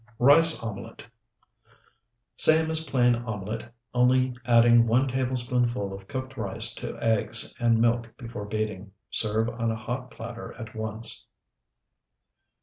RICE OMELET Same as plain omelet, only adding one tablespoonful of cooked rice to eggs and milk before beating. Serve on a hot platter at once.